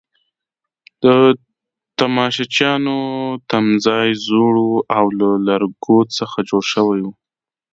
د تماشچیانو تمځای زوړ وو او له لرګو څخه جوړ شوی وو.